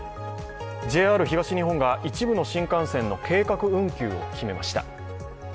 ＪＲ東日本が一部の新幹線の計画運休を決めました。